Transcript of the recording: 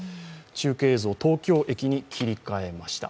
中継映像、東京駅に切り替えました